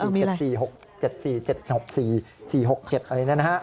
มี๗๔๖๗๔๗๗อะไรนะฮะ